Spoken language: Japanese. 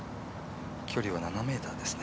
距離は７ｍですね。